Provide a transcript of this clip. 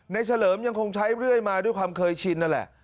เฉลิมยังคงใช้เรื่อยมาด้วยความเคยชินนั่นแหละ